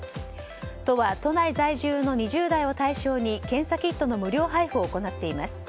都は都内在住の２０代を対象に検査キットの無料配布を行っています。